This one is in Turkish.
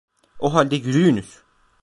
O halde yürüyünüz!